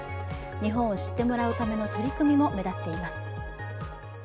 日本を知ってもらうための取り組みも目立っています。